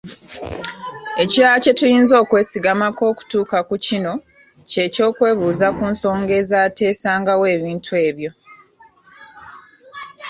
Ekirala kye tuyinza okwesigamako okutuuka ku kino ky’okyokwebuuza ensonga ezateesangawo ebintu ebyo